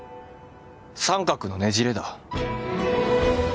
三角のねじれだ。